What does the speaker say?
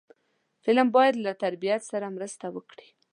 فلم باید له تربیت سره مرسته وکړي